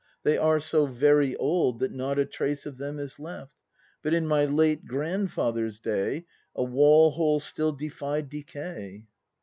They are so very old That not a trace of them is left. But in my late grandfather's day A wall hole still defied decay!